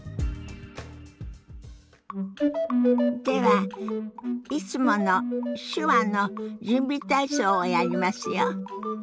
ではいつもの手話の準備体操をやりますよ。